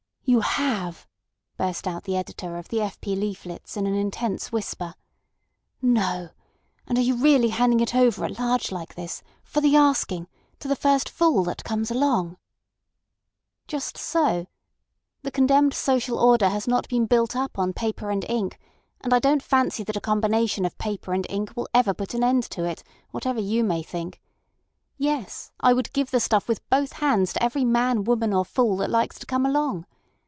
"You have!" burst out the editor of the F. P. leaflets in an intense whisper. "No! And are you really handing it over at large like this, for the asking, to the first fool that comes along?" "Just so! The condemned social order has not been built up on paper and ink, and I don't fancy that a combination of paper and ink will ever put an end to it, whatever you may think. Yes, I would give the stuff with both hands to every man, woman, or fool that likes to come along.